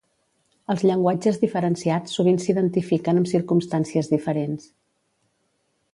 Els llenguatges diferenciats sovint s'identifiquen amb circumstàncies diferents.